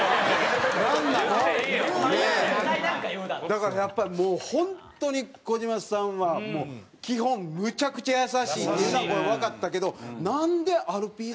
だからやっぱりもう本当に児島さんは基本むちゃくちゃ優しいっていうのはわかったけどなんでアルピーだけ。